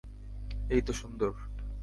এই তো সুন্দর।